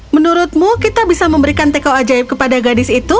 menurutmu kita bisa memberikan teko ajaib kepada gadis itu